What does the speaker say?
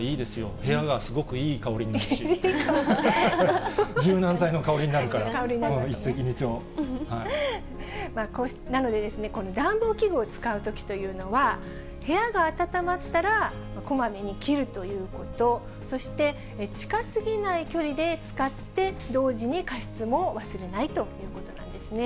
部屋がすごくいい香りになるし、柔軟剤の香りになるから、一石二なのでですね、暖房器具を使うときというのは、部屋が暖まったらこまめに切るということ、そして近すぎない距離で使って、同時に加湿も忘れないということなんですね。